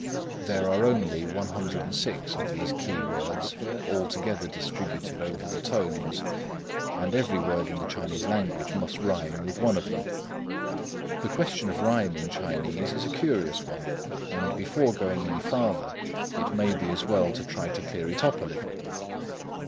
There are only 106 of these key words all together distributed over the Tones, and every word in the Chinese language must rhyme with one of them. The question of rhyme in Chinese is a curious one, and before going any farther it may be as well to try to clear it up a little.